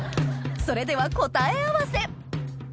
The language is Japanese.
それでは答え合わせ